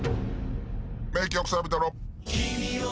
名曲サビトロ。